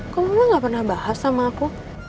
kok mama gak pernah bahas sama aku